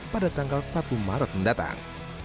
pada tanggal satu maret mendatang